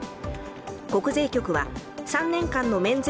国税局は３年間の免税